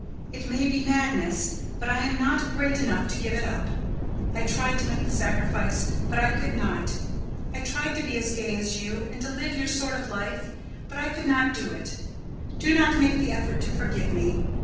It may be madness, but I am not great enough to give it up. I tried to make the sacrifice, but I could not. I tried to be as gay as you, and to live your sort of life; but I could not do it. Do not make the effort to forgive me.